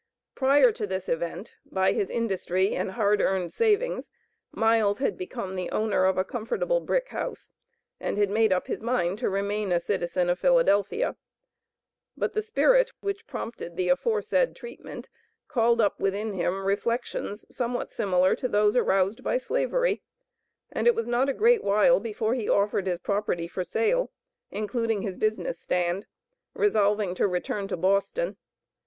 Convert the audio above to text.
Prior to this event, by his industry and hard earned savings, Miles had become the owner of a comfortable brick house, and had made up his mind to remain a citizen of Philadelphia, but the spirit which prompted the aforesaid treatment called up within him reflections somewhat similar to those aroused by Slavery, and it was not a great while before he offered his property for sale, including his business stand, resolving to return to Boston.